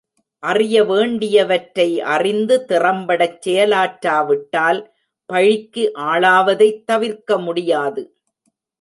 அறிய வேண்டியவற்றை அறிந்து திறம்படச் செயலாற்றாவிட்டால் பழிக்கு ஆளாவதைத் தவிர்க்க முடியாது.